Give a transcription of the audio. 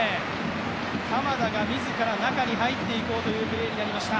鎌田が自ら中に入っていこうというプレーになりました。